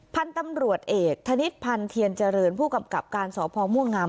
พันธุ์ตำรวจเอกธนิษฐพันธ์เทียนเจริญผู้กำกับการสพม่วงงาม